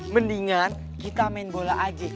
mendingan kita main bola aja